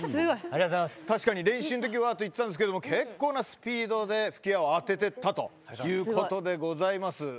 確かに練習のときはと言ってましたが結構なスピードで吹き矢を当ててったということでございます。